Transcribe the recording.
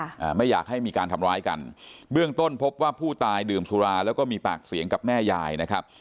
อ่าไม่อยากให้มีการทำร้ายกันเบื้องต้นพบว่าผู้ตายดื่มสุราแล้วก็มีปากเสียงกับแม่ยายนะครับ